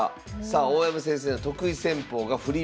さあ大山先生の得意戦法が振り